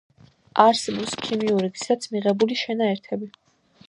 არსებობს ქიმიური გზითაც მიღებული შენაერთები.